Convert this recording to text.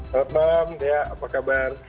selamat malam apa kabar